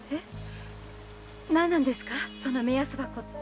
何ですかその目安箱って？